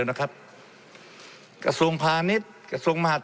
และมีผลกระทบไปทุกสาขาอาชีพชาติ